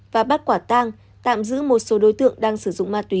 và bắt quả tang tạm giữ một số đối tượng đang sử dụng ma túy